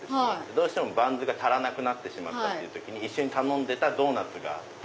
どうしてもバンズが足らなくなってしまった時に一緒に頼んでたドーナツがあって。